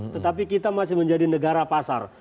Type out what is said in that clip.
tetapi kita masih menjadi negara pasar